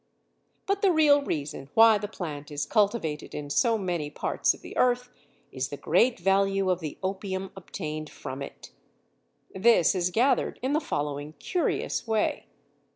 But the real reason why the plant is cultivated in so many parts of the earth is the great value of the opium obtained from it. This is gathered in the following curious way.